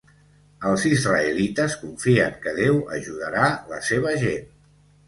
Els israelites confien que Déu ajudarà la seva gent.